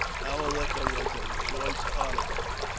Our liquor was a choice article.